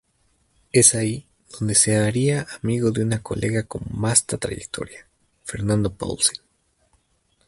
Es ahí donde se haría amigo de un colega con vasta trayectoria: Fernando Paulsen.